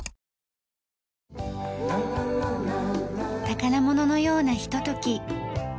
宝物のようなひととき。